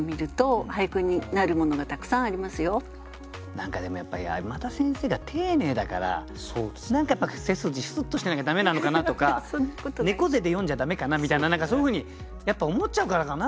何かでもやっぱ山田先生が丁寧だから何かやっぱ背筋スッとしてなきゃ駄目なのかなとか猫背で詠んじゃ駄目かなみたいな何かそういうふうにやっぱ思っちゃうからかな？